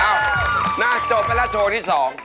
เอ้าน่าจบแล้วโชว์ที่สอง